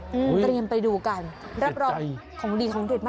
เตรียมไปดูกันรับรองของดีของเด็ดมาก